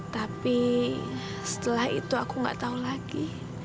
tapi setelah itu aku gak tau lagi